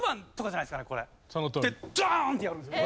ダーン！ってやるんですよ。